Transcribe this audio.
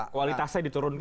kualitasnya diturunkan ya